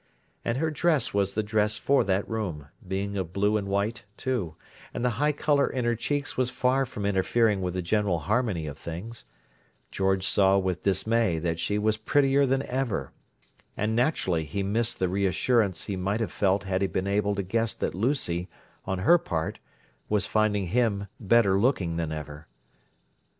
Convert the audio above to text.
And her dress was the dress for that room, being of blue and white, too; and the high colour in her cheeks was far from interfering with the general harmony of things—George saw with dismay that she was prettier than ever, and naturally he missed the reassurance he might have felt had he been able to guess that Lucy, on her part, was finding him better looking than ever.